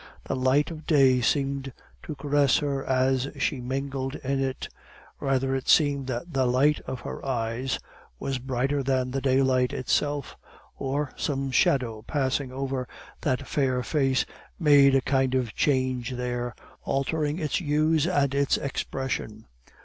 The light of day seemed to caress her as she mingled in it; rather it seemed that the light of her eyes was brighter than the daylight itself; or some shadow passing over that fair face made a kind of change there, altering its hues and its expression.